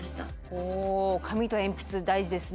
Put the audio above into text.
ほう紙と鉛筆大事ですね。